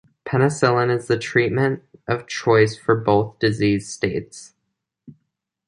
Penicillin is the treatment of choice for both disease states.